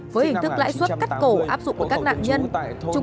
với hình thức lãi suất cắt tài liệu